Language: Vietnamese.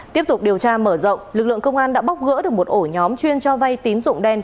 tiếp tục điều tra mở rộng lực lượng công an đã bóc gỡ được một ổ nhóm chuyên cho vay tín dụng đen